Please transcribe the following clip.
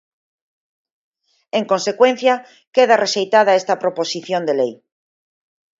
En consecuencia, queda rexeitada esta proposición de lei.